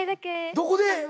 どこで？